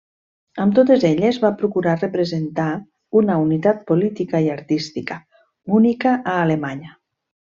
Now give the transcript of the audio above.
Amb totes elles va procurar representar una unitat política i artística, única a Alemanya.